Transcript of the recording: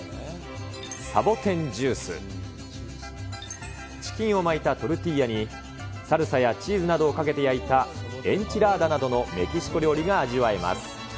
サボテンジュース、チキンを巻いたトルティーヤに、サルサやチーズなどをかけて焼いたエンチラーダなどのメキシコ料理が味わえます。